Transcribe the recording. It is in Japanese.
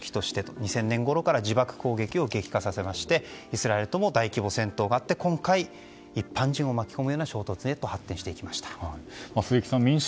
２０００年ごろから自爆攻撃を激化させましてイスラエルとも大規模戦闘があって一般人を巻き込む衝突となりました。